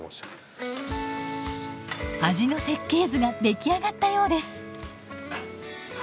味の設計図が出来上がったようです。